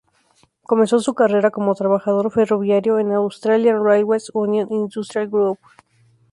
Comenzó su carrera como trabajador ferroviario, en la Australian Railways Union Industrial Group.